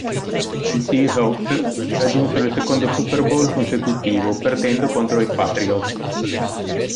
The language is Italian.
I Seahawks raggiunsero il secondo Super Bowl consecutivo, perdendo contro i Patriots.